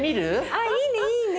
あっいいねいいね。